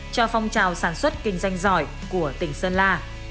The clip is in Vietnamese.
cho phong trào sản xuất kinh doanh giỏi của tỉnh sơn la